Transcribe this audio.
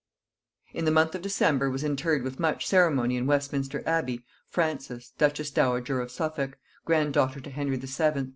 In the month of December was interred with much ceremony in Westminster Abbey Frances duchess dowager of Suffolk, grandaughter to Henry VII.